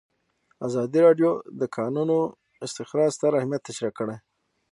ازادي راډیو د د کانونو استخراج ستر اهميت تشریح کړی.